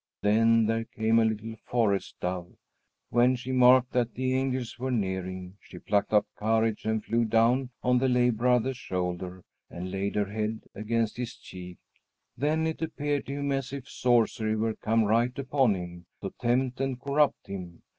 Then there came a little forest dove. When she marked that the angels were nearing, she plucked up courage and flew down on the lay brother's shoulder and laid her head against his cheek. Then it appeared to him as if sorcery were come right upon him, to tempt and corrupt him.